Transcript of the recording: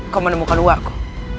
kau menemukan uakku